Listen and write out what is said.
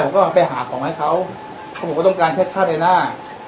ไปหาของให้เขาเพราะผมก็ต้องการแค่ค่าเดินหน้า